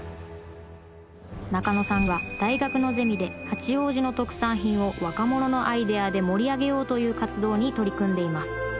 中野さんは大学のゼミで八王子の特産品を若者のアイデアで盛り上げようという活動に取り組んでいます。